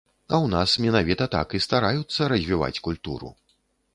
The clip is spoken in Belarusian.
А ў нас менавіта так і стараюцца развіваць культуру.